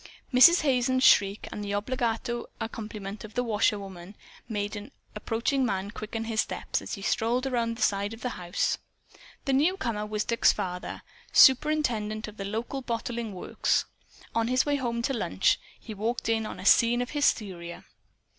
Mrs. Hazen's shriek, and the obbligato accompaniment of the washerwoman, made an approaching man quicken his steps as he strolled around the side of the house. The newcomer was Dick's father, superintendent of the local bottling works. On his way home to lunch, he walked in on a scene of hysteria.